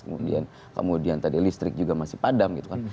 kemudian tadi listrik juga masih padam gitu kan